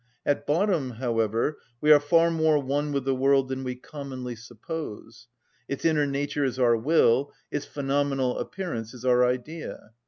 At bottom, however, we are far more one with the world than we commonly suppose: its inner nature is our will, its phenomenal appearance is our idea.